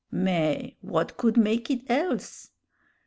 "Mais, what could make it else?